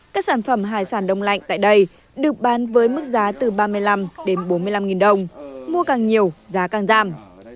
các sản phẩm hải sản đông lạnh tại đây được bán với mức giá từ ba mươi năm đến bốn mươi năm đồng mua càng nhiều giá càng giảm